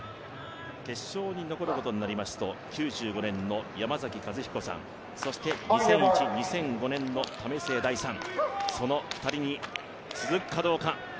決勝に残ることになりますと９５年の山崎一彦さんそして２００１、２００５年の為末大さんその２人に続くかどうか。